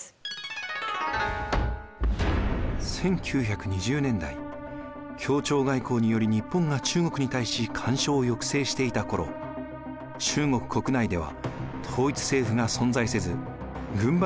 １９２０年代協調外交により日本が中国に対し干渉を抑制していた頃中国国内では統一政府が存在せず軍閥